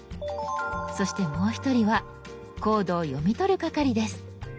そしてもう一人はコードを読み取る係です。